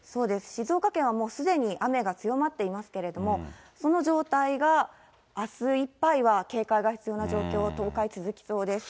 静岡県はすでに雨が強まっていますけれども、その状態があすいっぱいは警戒が必要な状態続きそうです。